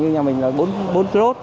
như nhà mình là bốn lốt